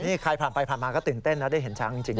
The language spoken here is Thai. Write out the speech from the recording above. นี่ใครผ่านไปผ่านมาก็ตื่นเต้นนะได้เห็นช้างจริง